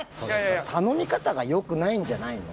頼み方が良くないんじゃないの？